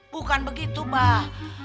bukan begitu maah